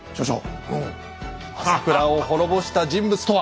朝倉を滅ぼした人物とは？